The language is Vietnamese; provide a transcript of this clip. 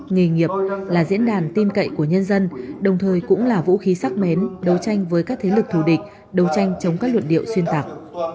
nghề nghiệp là diễn đàn tin cậy của nhân dân đồng thời cũng là vũ khí sắc bén đấu tranh với các thế lực thù địch đấu tranh chống các luận điệu xuyên tạc